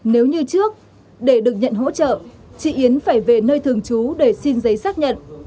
nếu như trước để được nhận hỗ trợ chị yến phải về nơi thường trú để xin giấy xác nhận